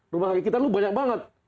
rumah sakit kita lu banyak banget